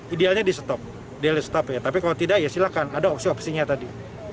idealnya di stop idealnya stop ya tapi kalau tidak ya silakan ada opsi opsinya tadi